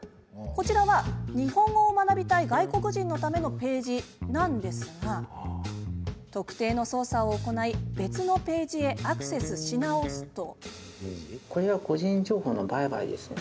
こちらは、日本語を学びたい外国人のためのページなんですが特定の操作を行い別のページへアクセスし直すと。